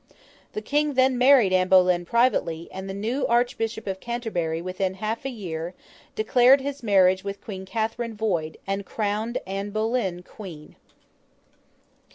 The King then married Anne Boleyn privately; and the new Archbishop of Canterbury, within half a year, declared his marriage with Queen Catherine void, and crowned Anne Boleyn Queen.